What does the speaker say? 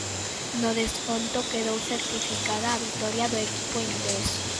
No desconto quedou certificada a vitoria do equipo inglés.